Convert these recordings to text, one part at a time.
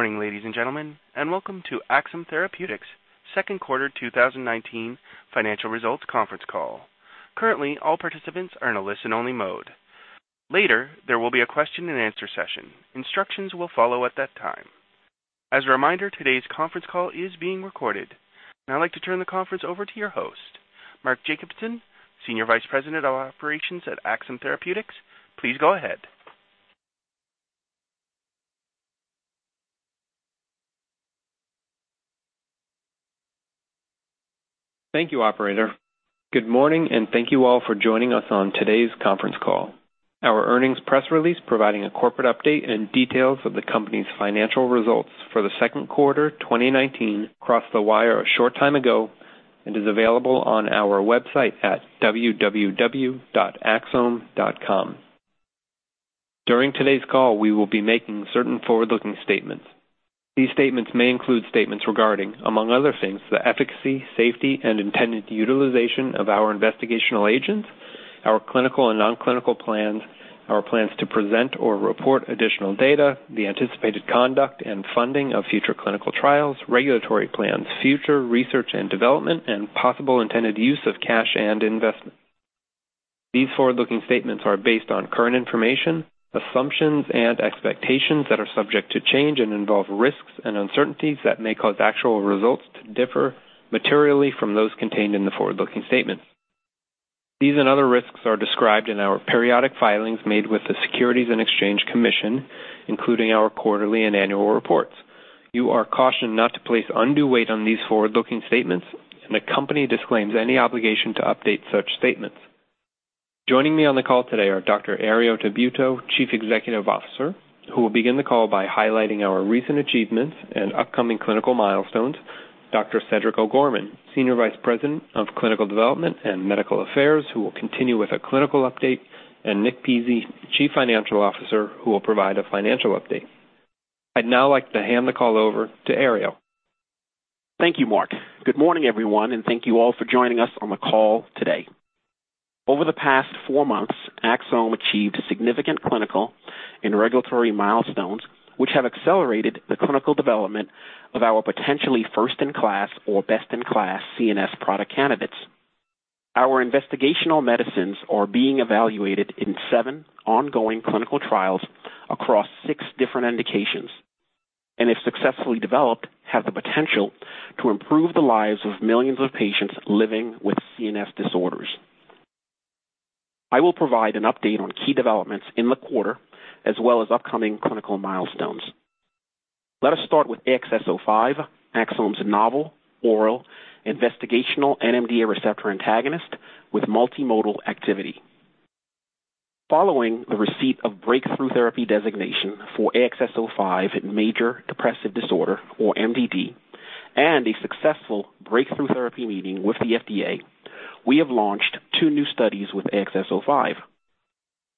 Morning, ladies and gentlemen, welcome to Axsome Therapeutics' second quarter 2019 financial results conference call. Currently, all participants are in a listen-only mode. Later, there will be a question and answer session. Instructions will follow at that time. As a reminder, today's conference call is being recorded. I'd like to turn the conference over to your host, Mark Jacobson, Senior Vice President of Operations at Axsome Therapeutics. Please go ahead. Thank you, operator. Good morning, and thank you all for joining us on today's conference call. Our earnings press release, providing a corporate update and details of the company's financial results for the second quarter 2019, crossed the wire a short time ago and is available on our website at www.axsome.com. During today's call, we will be making certain forward-looking statements. These statements may include statements regarding, among other things, the efficacy, safety, and intended utilization of our investigational agents, our clinical and non-clinical plans, our plans to present or report additional data, the anticipated conduct and funding of future clinical trials, regulatory plans, future research and development, and possible intended use of cash and investments. These forward-looking statements are based on current information, assumptions, and expectations that are subject to change and involve risks and uncertainties that may cause actual results to differ materially from those contained in the forward-looking statements. These and other risks are described in our periodic filings made with the Securities and Exchange Commission, including our quarterly and annual reports. You are cautioned not to place undue weight on these forward-looking statements, and the company disclaims any obligation to update such statements. Joining me on the call today are Dr. Herriot Tabuteau, Chief Executive Officer, who will begin the call by highlighting our recent achievements and upcoming clinical milestones; Dr. Cedric O'Gorman, Senior Vice President of Clinical Development and Medical Affairs, who will continue with a clinical update; and Nick Pizzie, Chief Financial Officer, who will provide a financial update. I'd now like to hand the call over to Herriot. Thank you, Mark. Good morning, everyone, and thank you all for joining us on the call today. Over the past four months, Axsome achieved significant clinical and regulatory milestones which have accelerated the clinical development of our potentially first-in-class or best-in-class CNS product candidates. Our investigational medicines are being evaluated in seven ongoing clinical trials across six different indications, and, if successfully developed, have the potential to improve the lives of millions of patients living with CNS disorders. I will provide an update on key developments in the quarter as well as upcoming clinical milestones. Let us start with AXS-05, Axsome's novel oral investigational NMDA receptor antagonist with multimodal activity. Following the receipt of Breakthrough Therapy designation for AXS-05 in major depressive disorder or MDD and a successful Breakthrough Therapy meeting with the FDA, we have launched two new studies with AXS-05.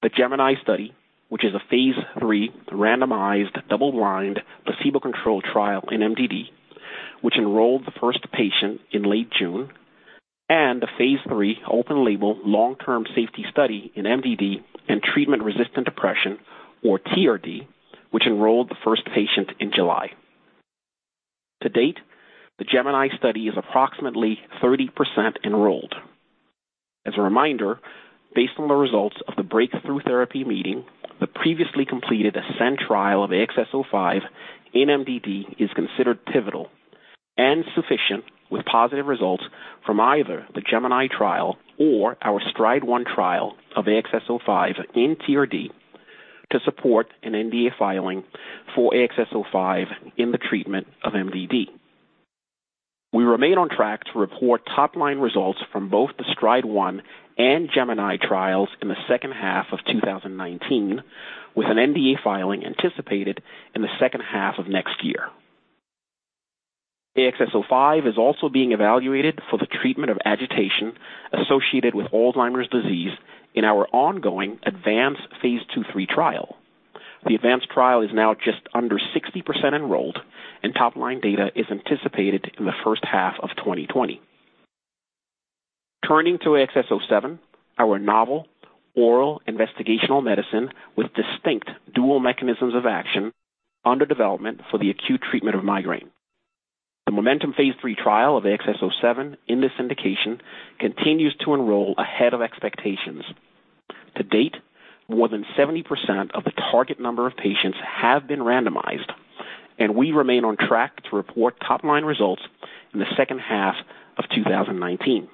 The GEMINI study, which is a phase III randomized double-blind placebo-controlled trial in MDD, which enrolled the first patient in late June, and the phase III open-label long-term safety study in MDD and treatment-resistant depression or TRD, which enrolled the first patient in July. To date, the GEMINI study is approximately 30% enrolled. As a reminder, based on the results of the breakthrough therapy meeting, the previously completed ASCEND trial of AXS-05 in MDD is considered pivotal and sufficient with positive results from either the GEMINI trial or our STRIDE-1 trial of AXS-05 in TRD to support an NDA filing for AXS-05 in the treatment of MDD. We remain on track to report top-line results from both the STRIDE-1 and GEMINI trials in the second half of 2019, with an NDA filing anticipated in the second half of next year. AXS-05 is also being evaluated for the treatment of agitation associated with Alzheimer's disease in our ongoing ADVANCE-1 phase II-III trial. The ADVANCE-1 trial is now just under 60% enrolled, top-line data is anticipated in the first half of 2020. Turning to AXS-07, our novel oral investigational medicine with distinct dual mechanisms of action under development for the acute treatment of migraine. The MOMENTUM phase III trial of AXS-07 in this indication continues to enroll ahead of expectations. To date, more than 70% of the target number of patients have been randomized, we remain on track to report top-line results in the second half of 2019.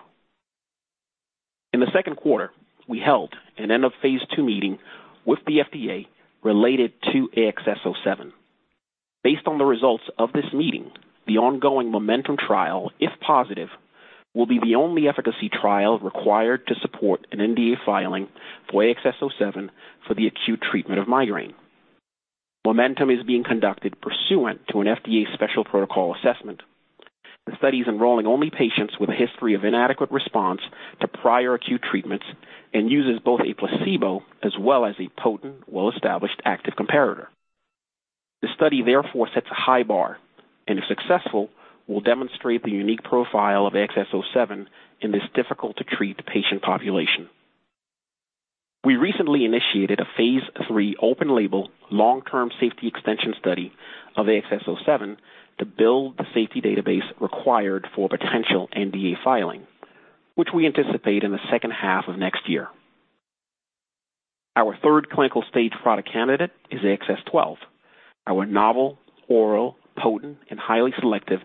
In the second quarter, we held an end of phase II meeting with the FDA related to AXS-07. Based on the results of this meeting, the ongoing MOMENTUM trial, if positive, will be the only efficacy trial required to support an NDA filing for AXS-07 for the acute treatment of migraine. MOMENTUM is being conducted pursuant to an FDA Special Protocol Assessment. The study is enrolling only patients with a history of inadequate response to prior acute treatments and uses both a placebo as well as a potent, well-established active comparator. The study therefore sets a high bar and, if successful, will demonstrate the unique profile of AXS-07 in this difficult-to-treat patient population. We recently initiated a Phase III open label long-term safety extension study of AXS-07 to build the safety database required for potential NDA filing, which we anticipate in the second half of next year. Our third clinical stage product candidate is AXS-12, our novel, oral, potent and highly selective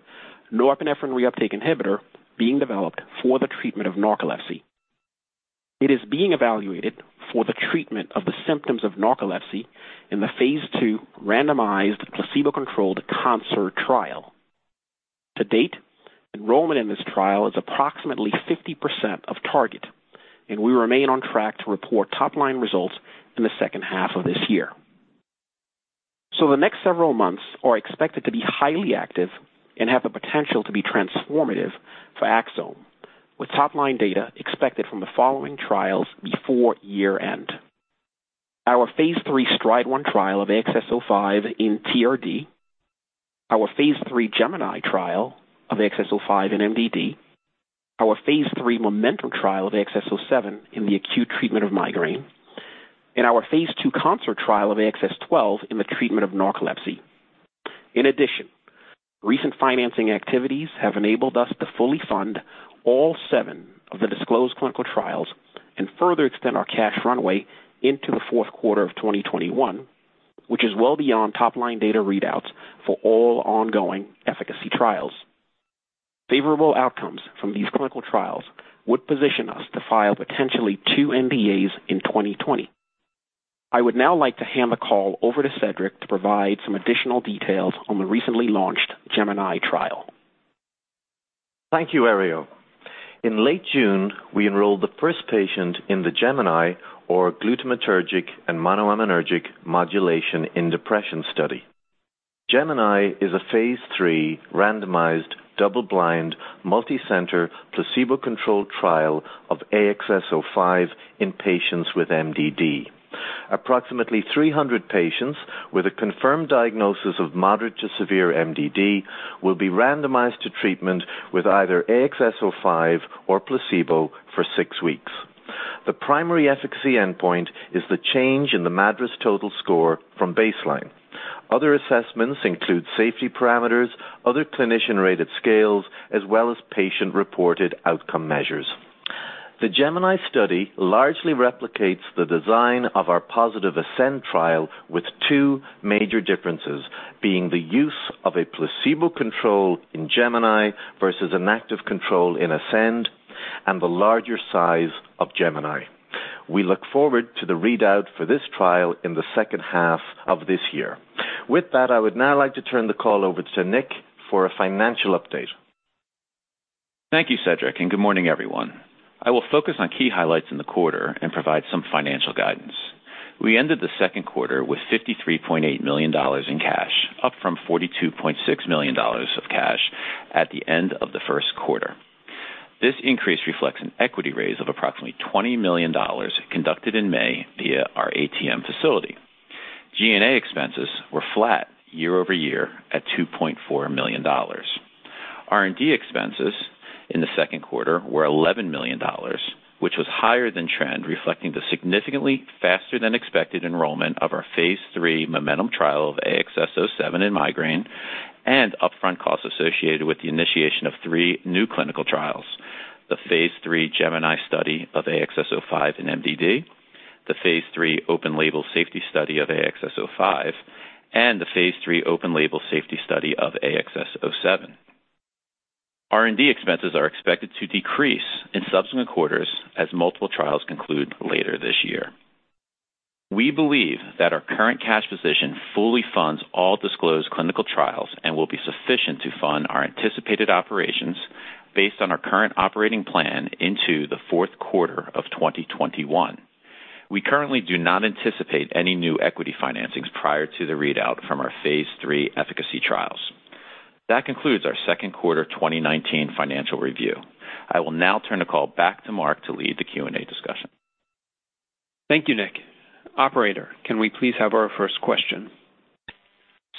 norepinephrine reuptake inhibitor being developed for the treatment of narcolepsy. It is being evaluated for the treatment of the symptoms of narcolepsy in the phase II randomized placebo-controlled CONCERT trial. To date, enrollment in this trial is approximately 50% of target. We remain on track to report top-line results in the second half of this year. The next several months are expected to be highly active and have the potential to be transformative for Axsome, with top-line data expected from the following trials before year-end. Our phase III STRIDE-1 trial of AXS-05 in TRD, our phase III GEMINI trial of AXS-05 in MDD, our phase III MOMENTUM trial of AXS-07 in the acute treatment of migraine, and our phase II CONCERT trial of AXS-12 in the treatment of narcolepsy. In addition, recent financing activities have enabled us to fully fund all seven of the disclosed clinical trials and further extend our cash runway into the fourth quarter of 2021, which is well beyond top-line data readouts for all ongoing efficacy trials. Favorable outcomes from these clinical trials would position us to file potentially two NDAs in 2020. I would now like to hand the call over to Cedric to provide some additional details on the recently launched GEMINI trial. Thank you, Herriot. In late June, we enrolled the first patient in the GEMINI, or Glutamatergic and Monoaminergic Modulation in Depression study. GEMINI is a phase III randomized, double-blind, multi-center, placebo-controlled trial of AXS-05 in patients with MDD. Approximately 300 patients with a confirmed diagnosis of moderate to severe MDD will be randomized to treatment with either AXS-05 or placebo for six weeks. The primary efficacy endpoint is the change in the MADRS total score from baseline. Other assessments include safety parameters, other clinician-rated scales, as well as patient-reported outcome measures. The GEMINI study largely replicates the design of our positive ASCEND trial, with two major differences being the use of a placebo control in GEMINI versus an active control in ASCEND, and the larger size of GEMINI. We look forward to the readout for this trial in the second half of this year. With that, I would now like to turn the call over to Nick for a financial update. Thank you, Cedric, good morning, everyone. I will focus on key highlights in the quarter and provide some financial guidance. We ended the second quarter with $53.8 million in cash, up from $42.6 million of cash at the end of the first quarter. This increase reflects an equity raise of approximately $20 million conducted in May via our ATM facility. G&A expenses were flat year-over-year at $2.4 million. R&D expenses in the second quarter were $11 million, which was higher than trend, reflecting the significantly faster than expected enrollment of our Phase III MOMENTUM trial of AXS-07 in migraine and upfront costs associated with the initiation of three new clinical trials, the Phase III GEMINI study of AXS-05 in MDD, the Phase III open label safety study of AXS-05, and the Phase III open label safety study of AXS-07. R&D expenses are expected to decrease in subsequent quarters as multiple trials conclude later this year. We believe that our current cash position fully funds all disclosed clinical trials and will be sufficient to fund our anticipated operations based on our current operating plan into the fourth quarter of 2021. We currently do not anticipate any new equity financings prior to the readout from our phase III efficacy trials. That concludes our second quarter 2019 financial review. I will now turn the call back to Mark to lead the Q&A discussion. Thank you, Nick. Operator, can we please have our first question?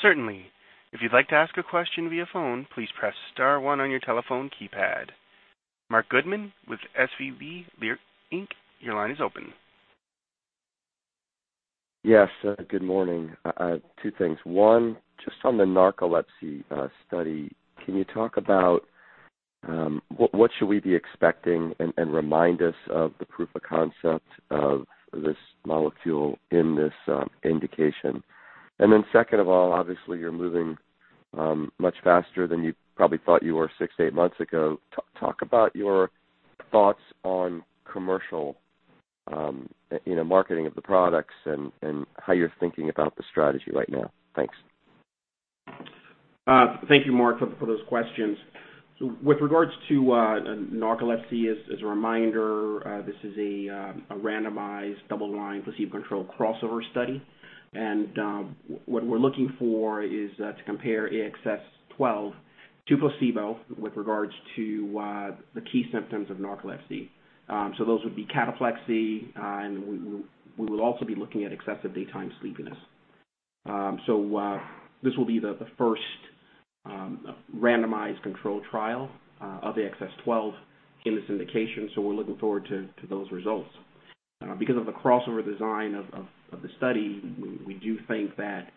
Certainly. If you'd like to ask a question via phone, please press star one on your telephone keypad. Marc Goodman with SVB Leerink, your line is open. Yes. Good morning. Two things. One, just on the narcolepsy study, can you talk about what should we be expecting and remind us of the proof of concept of this molecule in this indication? Second of all, obviously you're moving much faster than you probably thought you were six to eight months ago. Talk about your thoughts on commercial marketing of the products and how you're thinking about the strategy right now. Thanks. Thank you, Marc, for those questions. With regards to narcolepsy, as a reminder, this is a randomized, double-blind, placebo-controlled crossover study. What we're looking for is to compare AXS-12 to placebo with regards to the key symptoms of narcolepsy. Those would be cataplexy, and we will also be looking at excessive daytime sleepiness. This will be the first. A randomized control trial of AXS-12 in this indication. We're looking forward to those results. Because of the crossover design of the study, we do think that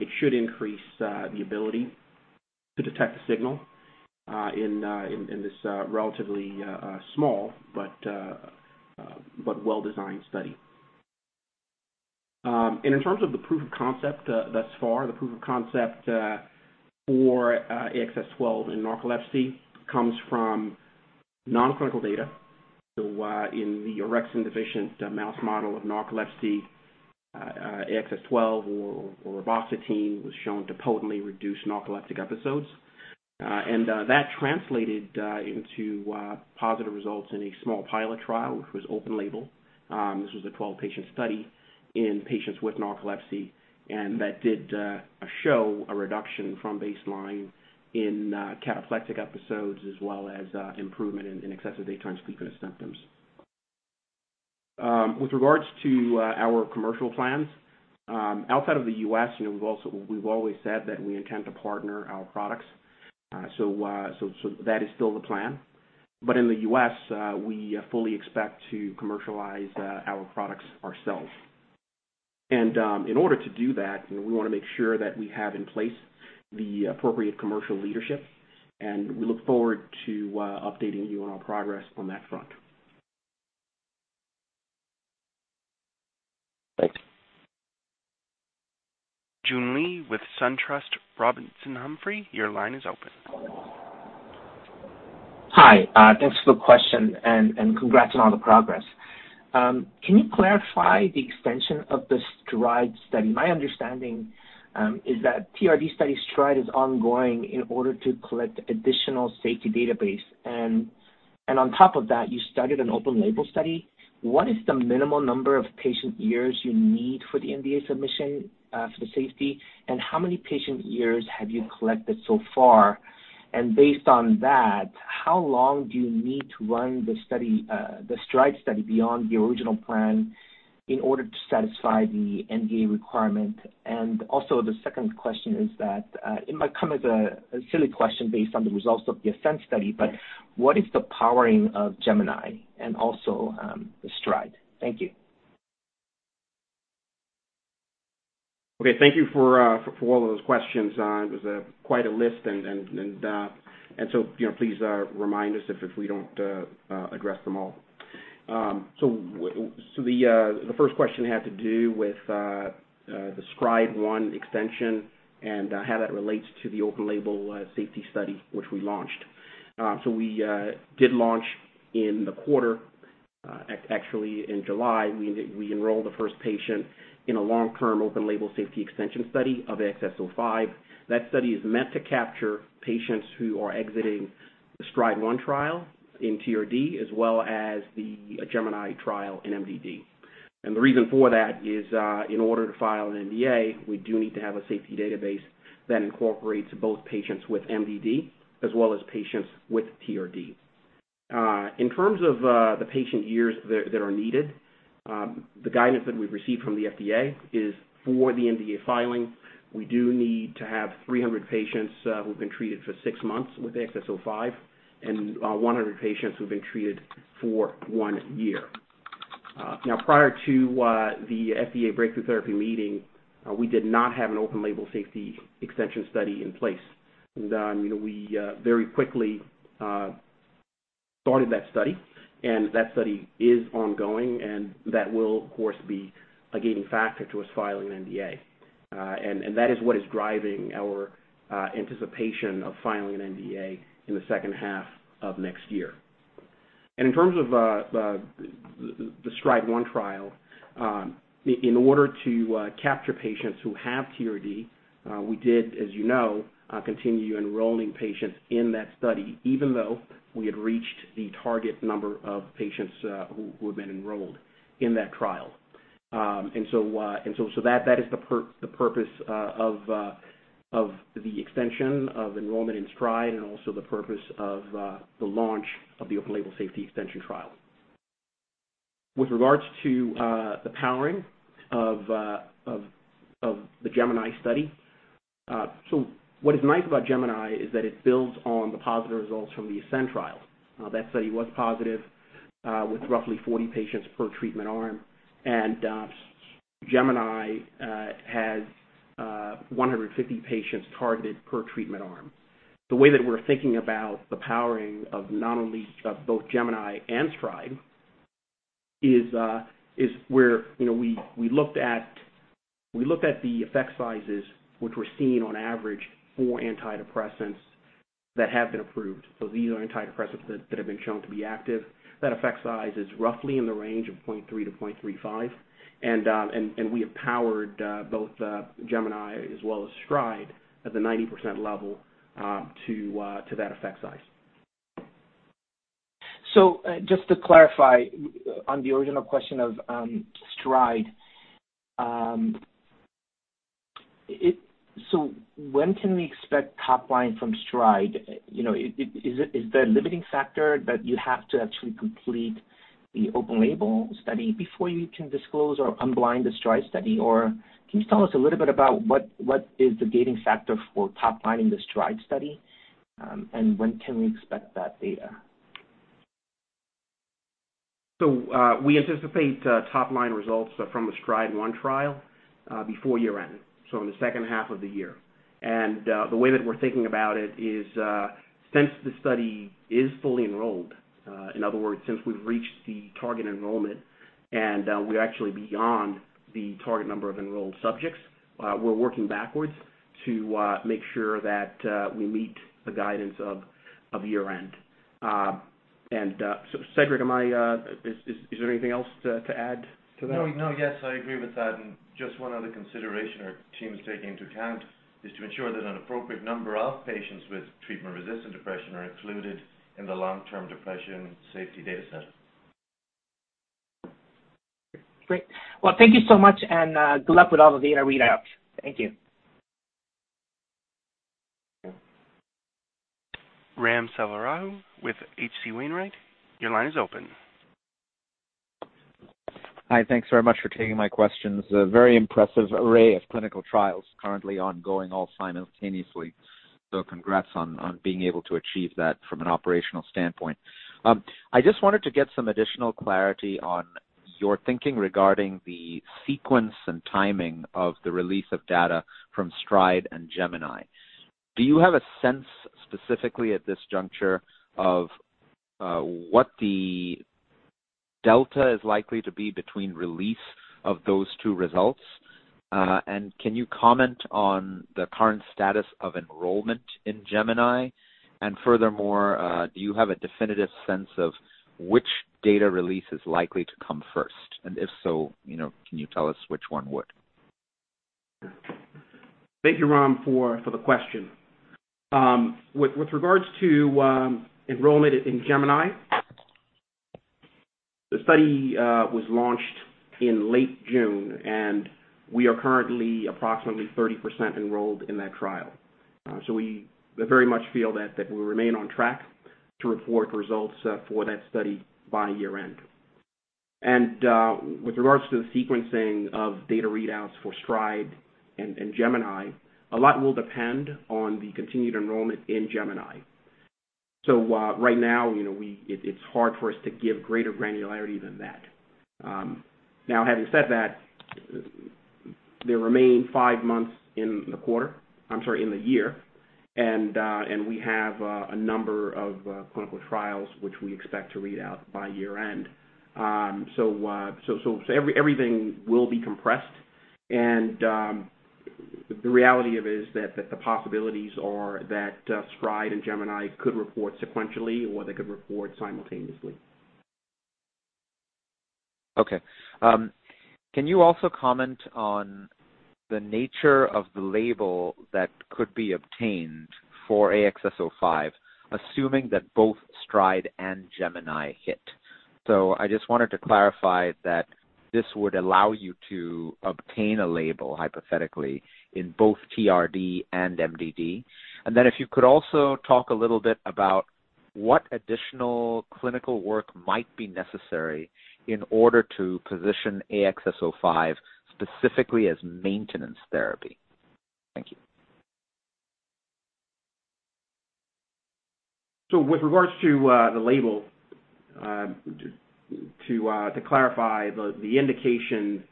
it should increase the ability to detect a signal in this relatively small but well-designed study. In terms of the proof of concept thus far, the proof of concept for AXS-12 in narcolepsy comes from non-clinical data. In the orexin deficient mouse model of narcolepsy, AXS-12 or reboxetine was shown to potently reduce narcoleptic episodes. That translated into positive results in a small pilot trial, which was open-label. This was a 12-patient study in patients with narcolepsy, and that did show a reduction from baseline in cataplectic episodes, as well as improvement in excessive daytime sleepiness symptoms. With regards to our commercial plans, outside of the U.S., we've always said that we intend to partner our products. That is still the plan. In the U.S., we fully expect to commercialize our products ourselves. In order to do that, we want to make sure that we have in place the appropriate commercial leadership, and we look forward to updating you on our progress on that front. Thanks. Joon Lee with SunTrust Robinson Humphrey, your line is open. Hi. Thanks for the question, and congrats on all the progress. Can you clarify the extension of the STRIDE study? My understanding is that TRD study STRIDE is ongoing in order to collect additional safety database. On top of that, you started an open-label study. What is the minimal number of patient years you need for the NDA submission for the safety, and how many patient years have you collected so far? Based on that, how long do you need to run the STRIDE study beyond the original plan in order to satisfy the NDA requirement? Also, the second question is that, it might come as a silly question based on the results of the ASCEND study. Right What is the powering of GEMINI and also the STRIDE? Thank you. Okay. Thank you for all of those questions. It was quite a list, please remind us if we don't address them all. The first question had to do with the STRIDE-1 extension and how that relates to the open-label safety study, which we launched. We did launch in the quarter. Actually, in July, we enrolled the first patient in a long-term open-label safety extension study of AXS-05. That study is meant to capture patients who are exiting the STRIDE-1 trial in TRD, as well as the GEMINI trial in MDD. The reason for that is in order to file an NDA, we do need to have a safety database that incorporates both patients with MDD as well as patients with TRD. In terms of the patient years that are needed, the guidance that we've received from the FDA is for the NDA filing, we do need to have 300 patients who've been treated for six months with AXS-05 and 100 patients who've been treated for one year. Now, prior to the FDA Breakthrough Therapy meeting, we did not have an open-label safety extension study in place. We very quickly started that study, and that study is ongoing, and that will of course be a gating factor to us filing an NDA. That is what is driving our anticipation of filing an NDA in the second half of next year. In terms of the STRIDE-1 trial, in order to capture patients who have TRD, we did, as you know, continue enrolling patients in that study, even though we had reached the target number of patients who had been enrolled in that trial. That is the purpose of the extension of enrollment in STRIDE and also the purpose of the launch of the open-label safety extension trial. With regards to the powering of the GEMINI study. What is nice about GEMINI is that it builds on the positive results from the ASCEND trial. That study was positive with roughly 40 patients per treatment arm, and GEMINI has 150 patients targeted per treatment arm. The way that we're thinking about the powering of both GEMINI and STRIDE is where we looked at the effect sizes, which were seen on average for antidepressants that have been approved. These are antidepressants that have been shown to be active. That effect size is roughly in the range of 0.3 to 0.35. We have powered both GEMINI as well as STRIDE at the 90% level to that effect size. Just to clarify on the original question of STRIDE. When can we expect top line from STRIDE? Is the limiting factor that you have to actually complete the open-label study before you can disclose or unblind the STRIDE study? Can you tell us a little bit about what is the gating factor for top-lining the STRIDE study? When can we expect that data? We anticipate top-line results from the STRIDE-1 trial before year-end, so in the second half of the year. The way that we're thinking about it is, since the study is fully enrolled, in other words, since we've reached the target enrollment and we're actually beyond the target number of enrolled subjects, we're working backwards to make sure that we meet the guidance of year-end. Cedric, is there anything else to add to that? No. Yes, I agree with that. Just one other consideration our team is taking into account is to ensure that an appropriate number of patients with treatment-resistant depression are included in the long-term depression safety data set. Great. Well, thank you so much, and good luck with all of the data readouts. Thank you. Ram Selvaraju with H.C. Wainwright, your line is open. Hi. Thanks very much for taking my questions. A very impressive array of clinical trials currently ongoing all simultaneously. Congrats on being able to achieve that from an operational standpoint. I just wanted to get some additional clarity on your thinking regarding the sequence and timing of the release of data from STRIDE and GEMINI. Do you have a sense specifically at this juncture of what the delta is likely to be between release of those two results? Can you comment on the current status of enrollment in GEMINI? Furthermore, do you have a definitive sense of which data release is likely to come first? If so, can you tell us which one would? Thank you, Ram, for the question. With regards to enrollment in GEMINI, the study was launched in late June, and we are currently approximately 30% enrolled in that trial. We very much feel that we remain on track to report results for that study by year-end. With regards to the sequencing of data readouts for STRIDE and GEMINI, a lot will depend on the continued enrollment in GEMINI. Right now, it's hard for us to give greater granularity than that. Now, having said that, there remain five months in the year, and we have a number of clinical trials which we expect to read out by year-end. Everything will be compressed, and the reality of it is that the possibilities are that STRIDE and GEMINI could report sequentially, or they could report simultaneously. Okay. Can you also comment on the nature of the label that could be obtained for AXS-05, assuming that both STRIDE and GEMINI hit? I just wanted to clarify that this would allow you to obtain a label hypothetically in both TRD and MDD. If you could also talk a little bit about what additional clinical work might be necessary in order to position AXS-05 specifically as maintenance therapy. Thank you. With regards to the label, to clarify, the indication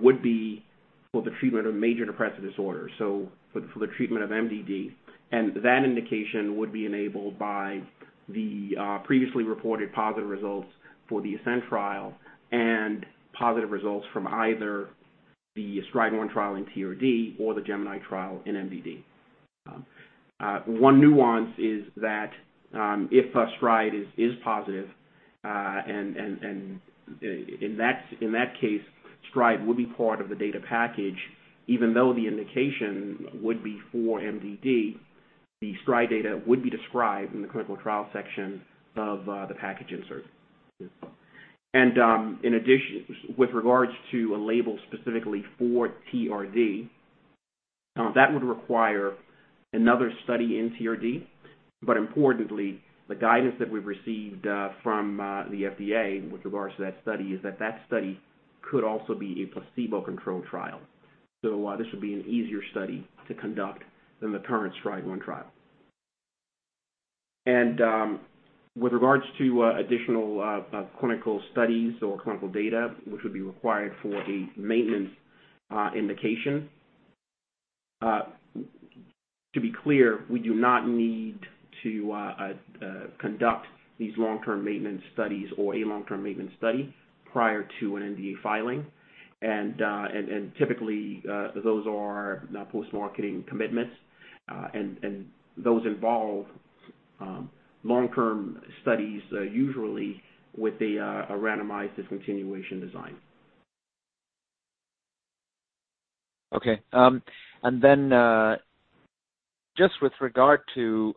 would be for the treatment of major depressive disorder, for the treatment of MDD, and that indication would be enabled by the previously reported positive results for the ASCEND trial and positive results from either the STRIDE-1 trial in TRD or the GEMINI trial in MDD. One nuance is that if STRIDE is positive, and in that case, STRIDE would be part of the data package even though the indication would be for MDD. The STRIDE data would be described in the clinical trial section of the package insert. In addition, with regards to a label specifically for TRD, that would require another study in TRD. Importantly, the guidance that we've received from the FDA with regards to that study is that study could also be a placebo-controlled trial. This would be an easier study to conduct than the current STRIDE-1 trial. With regards to additional clinical studies or clinical data, which would be required for a maintenance indication, to be clear, we do not need to conduct these long-term maintenance studies or a long-term maintenance study prior to an NDA filing. Typically, those are post-marketing commitments, and those involve long-term studies, usually with a randomized discontinuation design. Okay. Just with regard to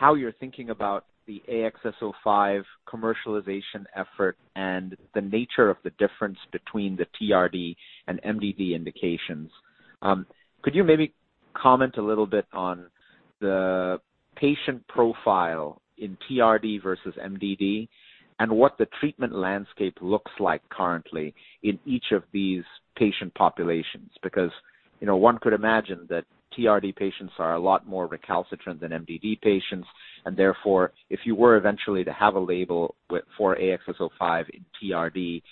how you're thinking about the AXS-05 commercialization effort and the nature of the difference between the TRD and MDD indications, could you maybe comment a little bit on the patient profile in TRD versus MDD and what the treatment landscape looks like currently in each of these patient populations? One could imagine that TRD patients are a lot more recalcitrant than MDD patients, and therefore, if you were eventually to have a label for AXS-05 in TRD,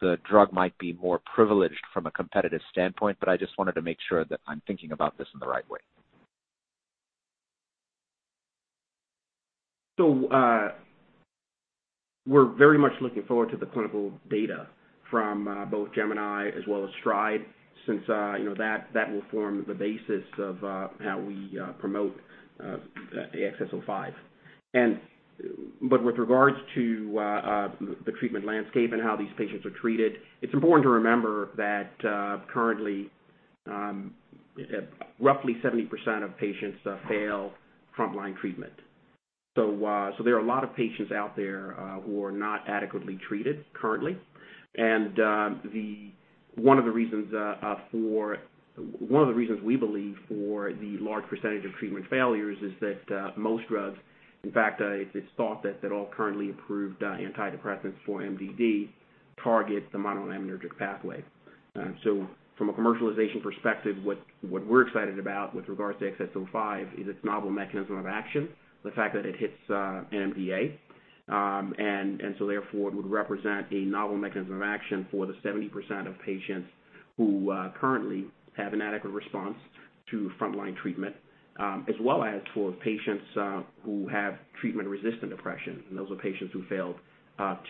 the drug might be more privileged from a competitive standpoint. I just wanted to make sure that I'm thinking about this in the right way. We're very much looking forward to the clinical data from both GEMINI as well as STRIDE since that will form the basis of how we promote AXS-05. With regards to the treatment landscape and how these patients are treated, it's important to remember that currently, roughly 70% of patients fail frontline treatment. There are a lot of patients out there who are not adequately treated currently. One of the reasons we believe for the large percentage of treatment failures is that most drugs, in fact, it's thought that all currently approved antidepressants for MDD target the monoaminergic pathway. From a commercialization perspective, what we're excited about with regards to AXS-05 is its novel mechanism of action, the fact that it hits NMDA. Therefore, it would represent a novel mechanism of action for the 70% of patients who currently have inadequate response to frontline treatment, as well as for patients who have treatment-resistant depression. Those are patients who failed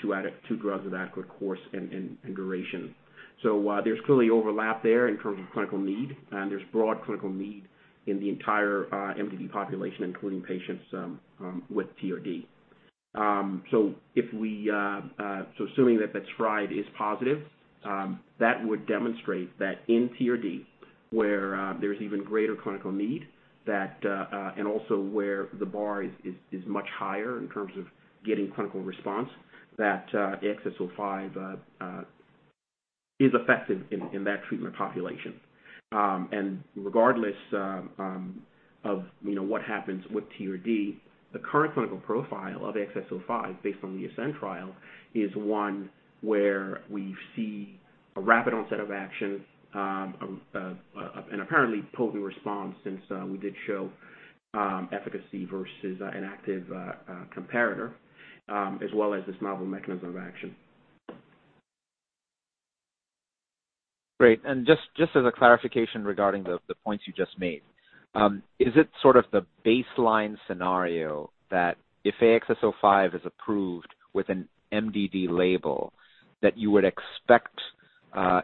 two drugs with adequate course and duration. There's clearly overlap there in terms of clinical need, and there's broad clinical need in the entire MDD population, including patients with TRD. Assuming that the trial is positive, that would demonstrate that in TRD, where there's even greater clinical need, and also where the bar is much higher in terms of getting clinical response, that AXS-05 is effective in that treatment population. Regardless of what happens with TRD, the current clinical profile of AXS-05 based on the ASCEND trial is one where we see a rapid onset of action, an apparently potent response since we did show efficacy versus an active comparator, as well as this novel mechanism of action. Great. Just as a clarification regarding the points you just made, is it sort of the baseline scenario that if AXS-05 is approved with an MDD label, that you would expect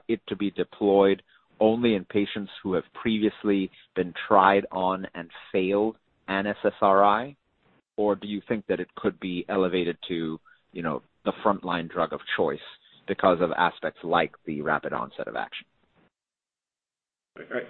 it to be deployed only in patients who have previously been tried on and failed an SSRI? Or do you think that it could be elevated to the frontline drug of choice because of aspects like the rapid onset of action?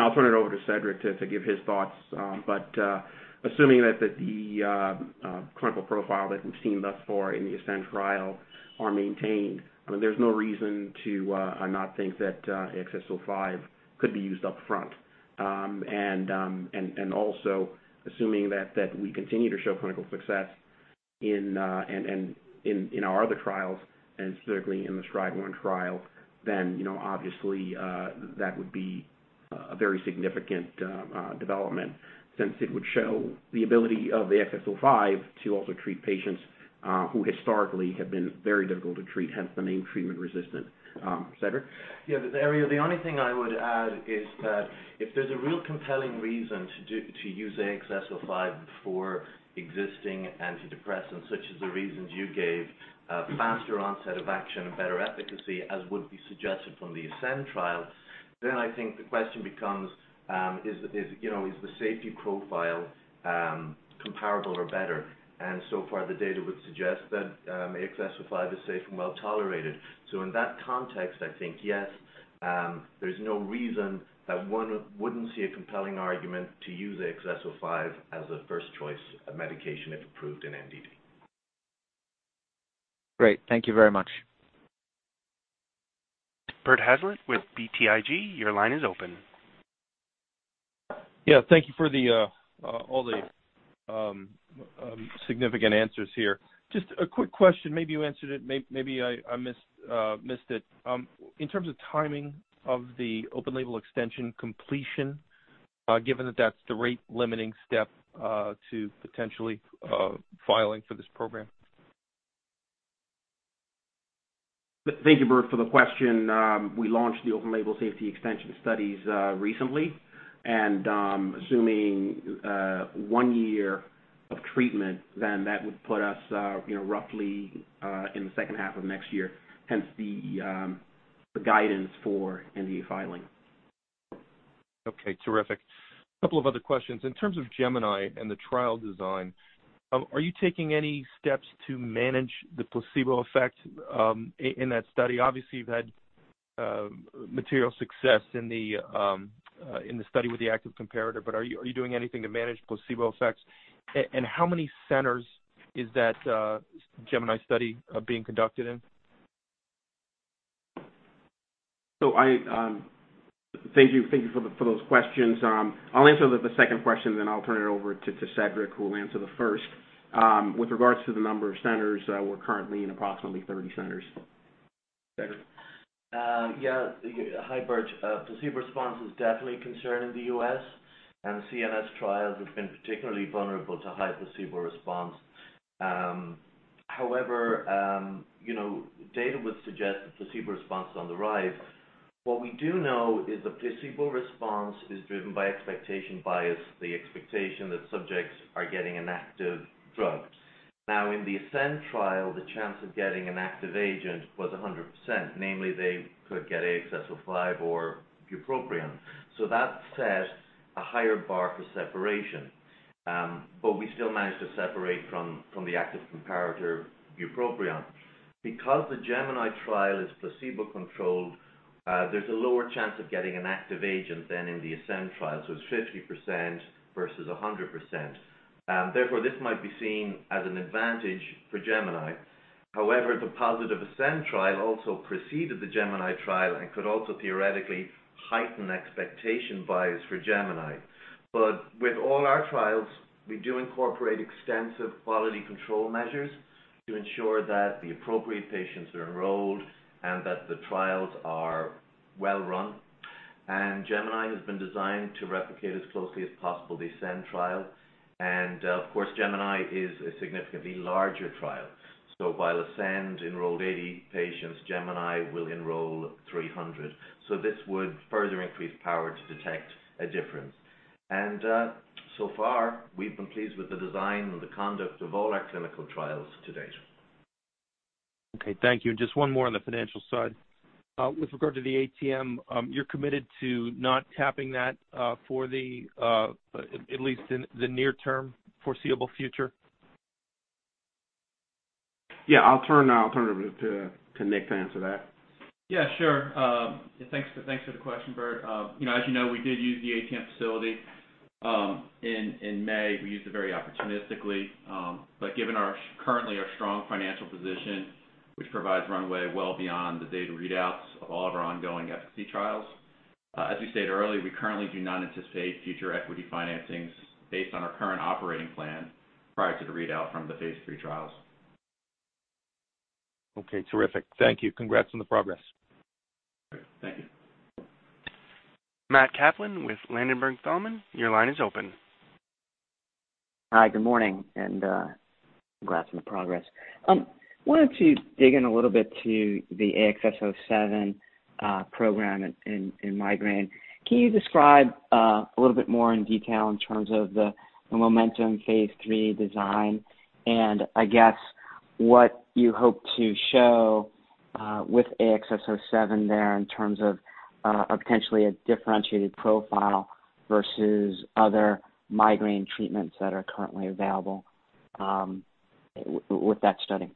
I'll turn it over to Cedric to give his thoughts. Assuming that the clinical profile that we've seen thus far in the ASCEND trial are maintained, there's no reason to not think that AXS-05 could be used up front. Also assuming that we continue to show clinical success in our other trials, and specifically in the STRIDE-1 trial, then obviously, that would be a very significant development since it would show the ability of the AXS-05 to also treat patients who historically have been very difficult to treat, hence the name treatment-resistant. Cedric? Yeah, Herriot, the only thing I would add is that if there's a real compelling reason to use AXS-05 before existing antidepressants, such as the reasons you gave, faster onset of action and better efficacy, as would be suggested from the ASCEND trial, I think the question becomes is the safety profile comparable or better? So far, the data would suggest that AXS-05 is safe and well-tolerated. In that context, I think, yes, there's no reason that one wouldn't see a compelling argument to use AXS-05 as a first choice of medication if approved in MDD. Great. Thank you very much. Bert Hazlett with BTIG, your line is open. Yeah. Thank you for all the significant answers here. Just a quick question. Maybe you answered it, maybe I missed it. In terms of timing of the open label extension completion, given that that's the rate-limiting step to potentially filing for this program. Thank you, Bert, for the question. We launched the open label safety extension studies recently, and assuming one year of treatment, that would put us roughly in the second half of next year, hence the guidance for NDA filing. Okay. Terrific. Couple of other questions. In terms of GEMINI and the trial design, are you taking any steps to manage the placebo effect in that study? Obviously, you've had material success in the study with the active comparator. Are you doing anything to manage placebo effects? How many centers is that GEMINI study being conducted in? Thank you for those questions. I'll answer the second question, then I'll turn it over to Cedric, who will answer the first. With regards to the number of centers, we're currently in approximately 30 centers. Cedric? Hi, Bert. Placebo response is definitely a concern in the U.S., and CNS trials have been particularly vulnerable to high placebo response. However, data would suggest that placebo response is on the rise. What we do know is that placebo response is driven by expectation bias, the expectation that subjects are getting an active drug. Now, in the ASCEND trial, the chance of getting an active agent was 100%, namely they could get AXS-05 or bupropion. That set a higher bar for separation. We still managed to separate from the active comparator, bupropion. Because the GEMINI trial is placebo-controlled, there's a lower chance of getting an active agent than in the ASCEND trial. It's 50% versus 100%. Therefore, this might be seen as an advantage for GEMINI. However, the positive ASCEND trial also preceded the GEMINI trial and could also theoretically heighten expectation bias for GEMINI. With all our trials, we do incorporate extensive quality control measures to ensure that the appropriate patients are enrolled and that the trials are well run. GEMINI has been designed to replicate as closely as possible the ASCEND trial. Of course, GEMINI is a significantly larger trial. While ASCEND enrolled 80 patients, GEMINI will enroll 300. This would further increase power to detect a difference. So far, we've been pleased with the design and the conduct of all our clinical trials to date. Okay. Thank you. Just one more on the financial side. With regard to the ATM, you're committed to not tapping that, at least in the near-term foreseeable future? I'll turn it over to Nick to answer that. Yeah, sure. Thanks for the question, Bert. As you know, we did use the ATM facility in May. We used it very opportunistically. Given currently our strong financial position, which provides runway well beyond the data readouts of all of our ongoing efficacy trials. As we stated earlier, we currently do not anticipate future equity financings based on our current operating plan prior to the readout from the phase III trials. Okay. Terrific. Thank you. Congrats on the progress. Great. Thank you. Matthew Kaplan with Ladenburg Thalmann, your line is open. Hi, good morning, and congrats on the progress. I wanted to dig in a little bit to the AXS-07 program in migraine. Can you describe a little bit more in detail in terms of the MOMENTUM phase III design and, I guess, what you hope to show with AXS-07 there in terms of potentially a differentiated profile versus other migraine treatments that are currently available with that study?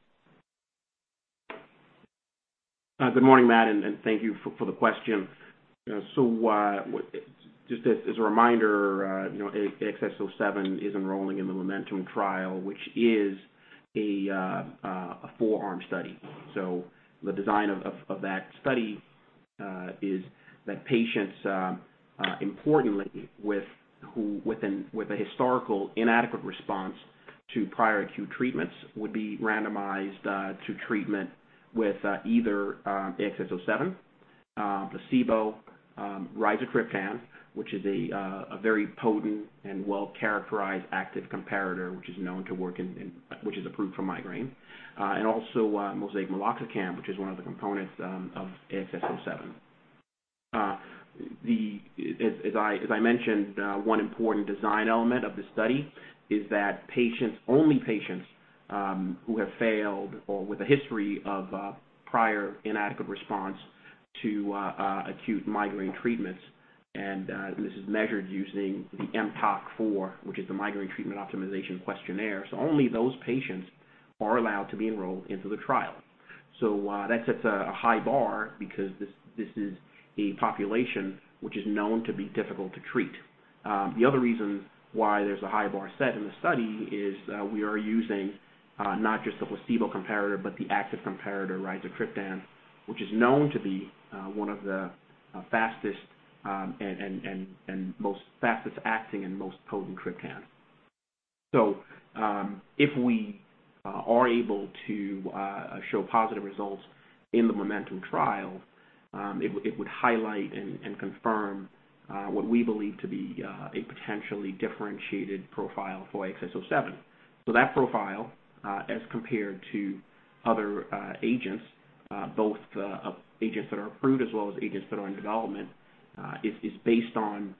Good morning, Matt, thank you for the question. Just as a reminder, AXS-07 is enrolling in the MOMENTUM trial, which is a four-arm study. The design of that study is that patients, importantly, with a historical inadequate response to prior acute treatments would be randomized to treatment with either AXS-07, placebo rizatriptan, which is a very potent and well-characterized active comparator, which is approved for migraine. Also MoSEIC meloxicam, which is one of the components of AXS-07. As I mentioned, one important design element of the study is that only patients who have failed or with a history of prior inadequate response to acute migraine treatments, and this is measured using the mTOQ-4, which is the Migraine Treatment Optimization Questionnaire. Only those patients are allowed to be enrolled into the trial. That sets a high bar because this is a population which is known to be difficult to treat. The other reason why there's a high bar set in the study is we are using not just the placebo comparator, but the active comparator, rizatriptan, which is known to be one of the fastest acting and most potent triptan. If we are able to show positive results in the MOMENTUM trial, it would highlight and confirm what we believe to be a potentially differentiated profile for AXS-07. That profile, as compared to other agents, both agents that are approved as well as agents that are in development, is based on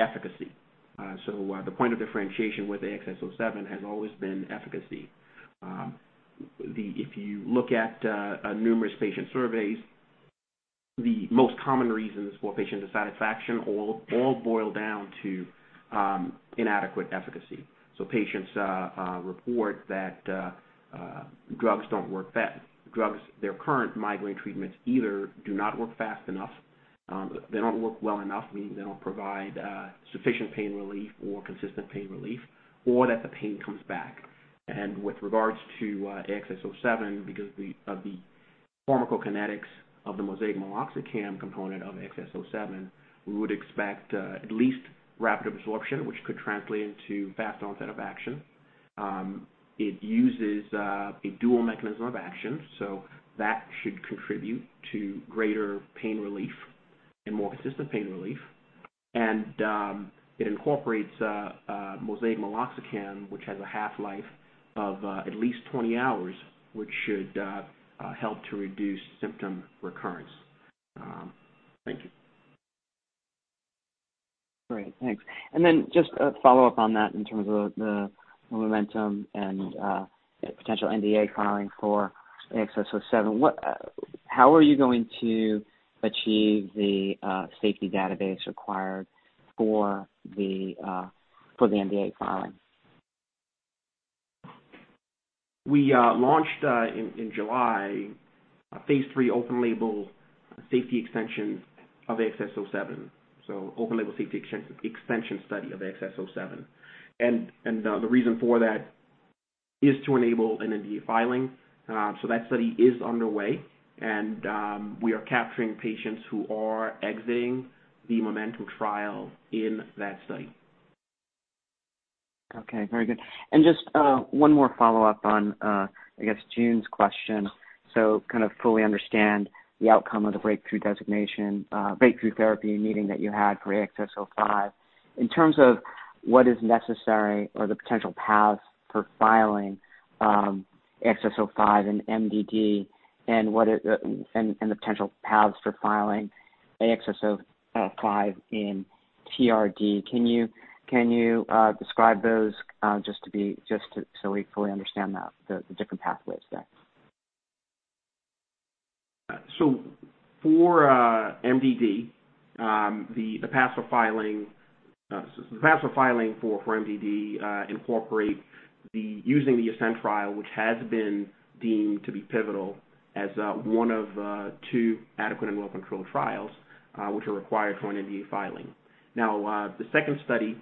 efficacy. The point of differentiation with AXS-07 has always been efficacy. If you look at numerous patient surveys, the most common reasons for patient dissatisfaction all boil down to inadequate efficacy. Patients report that their current migraine treatments either do not work fast enough. They don't work well enough, meaning they don't provide sufficient pain relief or consistent pain relief, or that the pain comes back. With regards to AXS-07, because of the pharmacokinetics of the MoSEIC meloxicam component of AXS-07, we would expect at least rapid absorption, which could translate into fast onset of action. It uses a dual mechanism of action, so that should contribute to greater pain relief and more consistent pain relief. It incorporates MoSEIC meloxicam, which has a half-life of at least 20 hours, which should help to reduce symptom recurrence. Thank you. Great. Thanks. Just a follow-up on that in terms of the MOMENTUM and potential NDA filing for AXS-07. How are you going to achieve the safety database required for the NDA filing? We launched, in July, a phase III open label safety extension of AXS-07, so open label safety extension study of AXS-07. The reason for that is to enable an NDA filing. That study is underway, and we are capturing patients who are exiting the MOMENTUM trial in that study. Okay, very good. Just one more follow-up on, I guess, Joon's question. Kind of fully understand the outcome of the Breakthrough Therapy meeting that you had for AXS-05. In terms of what is necessary or the potential paths for filing AXS-05 in MDD and the potential paths for filing AXS-05 in TRD, can you describe those just so we fully understand the different pathways there? For MDD, the paths for filing for MDD incorporate using the ASCEND trial, which has been deemed to be pivotal as one of two adequate and well-controlled trials, which are required for an NDA filing. The second study,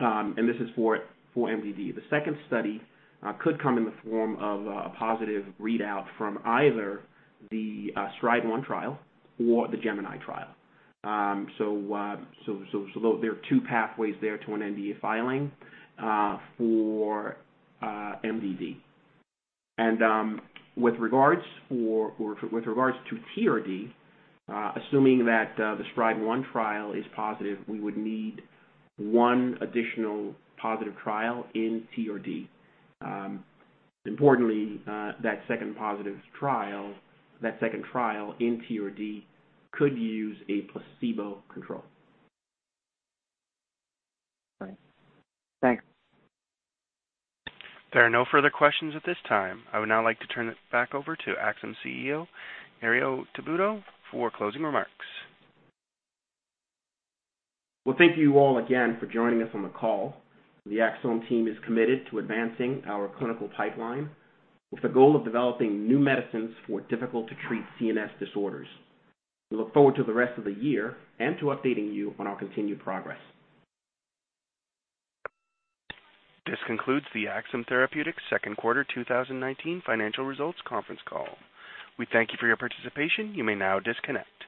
and this is for MDD, the second study could come in the form of a positive readout from either the STRIDE-1 trial or the GEMINI trial. There are two pathways there to an NDA filing for MDD. With regards to TRD, assuming that the STRIDE-1 trial is positive, we would need one additional positive trial in TRD. Importantly, that second positive trial, that second trial in TRD could use a placebo control. Right. Thanks. There are no further questions at this time. I would now like to turn it back over to Axsome CEO, Herriot Tabuteau, for closing remarks. Well, thank you all again for joining us on the call. The Axsome team is committed to advancing our clinical pipeline with the goal of developing new medicines for difficult to treat CNS disorders. We look forward to the rest of the year and to updating you on our continued progress. This concludes the Axsome Therapeutics second quarter 2019 financial results conference call. We thank you for your participation. You may now disconnect.